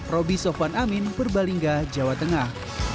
roby sofwan amin purbalingga jawa tengah